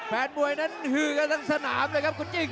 แฟนบรวยนั้นหืดกันทั้งสถานกันเลยครับขุนชิง